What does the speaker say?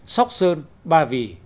sóc sơn ba vì